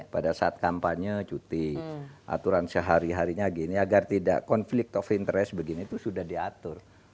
pada saat kampanye cuti aturan sehari harinya gini agar tidak konflik of interest begini itu sudah diatur